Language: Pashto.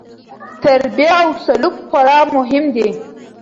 تربیه او سلوک خورا مهم دي.